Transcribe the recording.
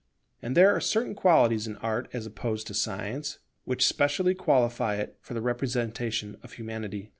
And there are certain qualities in Art as opposed to Science, which specially qualify it for the representation of Humanity.